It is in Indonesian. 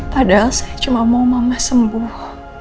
padahal saya cuma mau mama sembuh